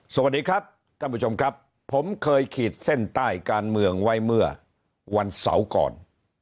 สวัสดีครับท่านผู้ชมครับผมเคยขีดเส้นใต้การเมืองไว้เมื่อวันเสาร์ก่อน